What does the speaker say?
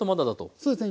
そうですね。